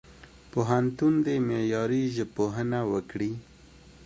پوهنتون دي معیاري ژبپوهنه وکړي.